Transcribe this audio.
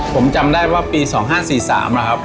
ผมจำได้ว่าปี๒๕๔๓นะครับ